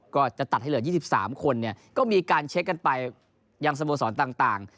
ก็จะตัดให้เหลือ๒๓คนก็มีการเช็คกันไปยังสโมสรต่าง